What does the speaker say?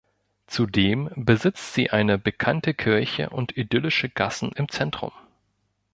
Zudem besitzt sie eine bekannte Kirche und idyllische Gassen im Zentrum.